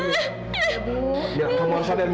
emila kamu harus sadar